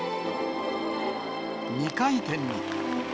２回転に。